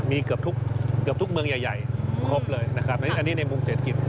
มีเกือบทุกเกือบทุกเมืองใหญ่ครบเลยนะครับอันนี้ในมุมเศรษฐกิจ